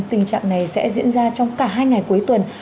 tình trạng này sẽ diễn ra trong cả hai ngày cuối tuần